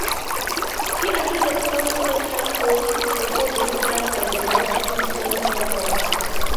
He attended Cairns State High School before being signed by the North Queensland Cowboys.